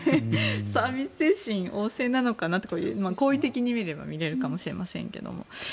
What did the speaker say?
サービス精神旺盛なのかなと好意的に見れば見れるかもしれませんけど。